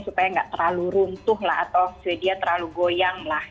supaya nggak terlalu runtuh lah atau dia terlalu goyang lah